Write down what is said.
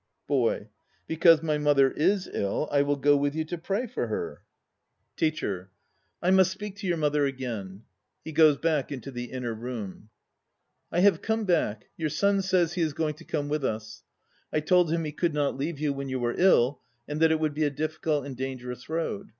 BOY. Because my mother i* ill I will go with you to pray for her. 192 THE NO PLAYS OF JAPAN TEACHER. I must speak to your mother again. (He goes back into the inner room.) I have come back, your son says he is going to come with us. I told him he could not leave you when you were ill and that it would be a difficult and dangerous road.